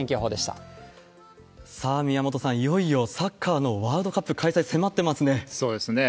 さあ、宮本さん、いよいよサッカーのワールドカップ開催迫ってますね。